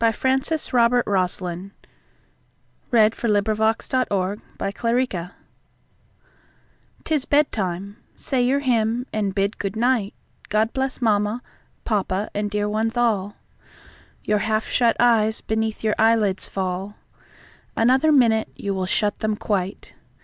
Francis Robert Rosslyn, Earl of 1833–90 Bedtime 'T IS bedtime; say your hymn, and bid "Good night; God bless Mamma, Papa, and dear ones all."Your half shut eyes beneath your eyelids fall, Another minute, you will shut them quite.